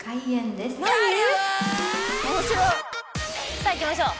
さあ行きましょう。